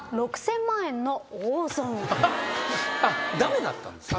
あっ駄目だったんですね。